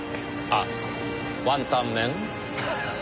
あっワンタン麺？